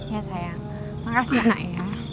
ya sayang makasih anaknya